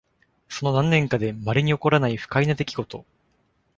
その何年かで稀に起こらない不快な出来事。